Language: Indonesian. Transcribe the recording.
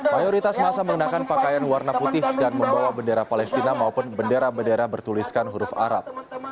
mayoritas masa mengenakan pakaian warna putih dan membawa bendera palestina maupun bendera bendera bertuliskan huruf arab